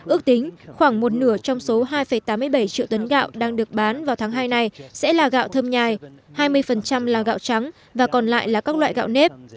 ước tính khoảng một nửa trong số hai tám mươi bảy triệu tấn gạo đang được bán vào tháng hai này sẽ là gạo thơm nhài hai mươi là gạo trắng và còn lại là các loại gạo nếp